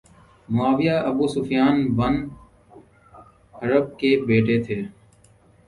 معاویہ Abu Sufyan bin Harb کے بیٹے تھے